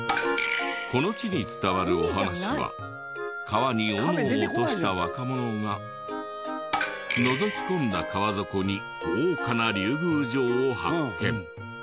この地に伝わるお話は川に斧を落とした若者がのぞき込んだ川底に豪華な竜宮城を発見。